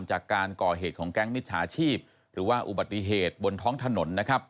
จากการก่อเหตุของแก๊งมิจฉาชีพหรือว่าอุบัติเหตุบนท้องถนนนะครับ